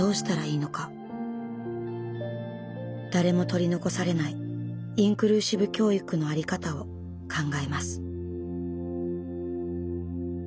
誰も取り残されないインクルーシブ教育の在り方を考えます。